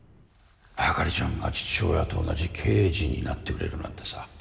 朱梨ちゃんが父親と同じ刑事になってくれるなんてさ。